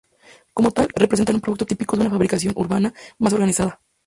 Como tal, representan un producto típico de una fabricación urbana más organizada.